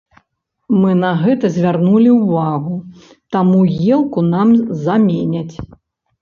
Мы на гэта звярнулі ўвагу, таму елку нам заменяць.